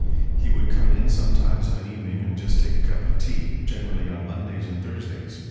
He would come in sometimes of an evening and just take a cup of tea; generally on Mondays and Thursdays.